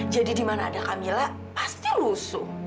jadi di mana ada kamila pasti rusuh